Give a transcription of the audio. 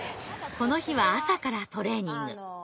この日は朝からトレーニング。